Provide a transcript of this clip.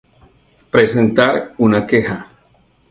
Presentar una queja